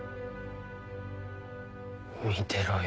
見てろよ。